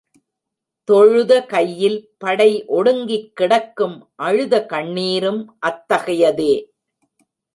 தொழுத கையில் படை ஒடுங்கிக் கிடக்கும் அழுத கண்ணீரும் அத்தகையதே.